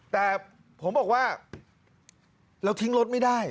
แต่ผมบอกว่าเราทิ้งรถไม่ได้